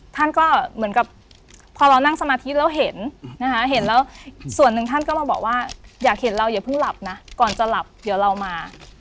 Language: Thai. ท่านก็เหมือนกับพอเรานั่งสมาธิแล้วเห็นนะคะเห็นแล้วส่วนหนึ่งท่านก็มาบอกว่าอยากเห็นเราอย่าเพิ่งหลับนะก่อนจะหลับเดี๋ยวเรามา